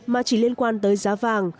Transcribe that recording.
mà chỉ liên quan tới giá vàng